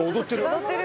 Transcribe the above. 踊ってる。